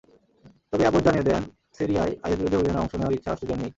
তবে অ্যাবট জানিয়ে দেন, সিরিয়ায় আইএসবিরোধী অভিযানে অংশ নেওয়ার ইচ্ছা অস্ট্রেলিয়ার নেই।